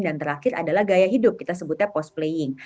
dan terakhir adalah gaya hidup kita sebutnya pos playing